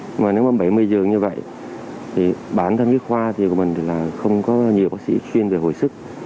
nhưng mà nếu mà bảy mươi giường như vậy thì bản thân cái khoa thì của mình là không có nhiều bác sĩ chuyên về hồi sức